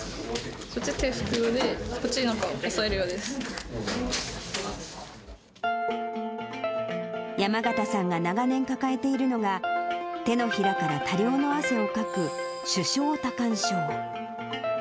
こっちは手拭く用で、こっちはな山形さんが長年抱えているのが、手のひらから多量の汗をかく手掌多汗症。